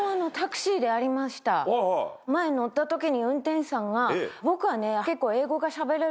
前乗った時に運転手さんが。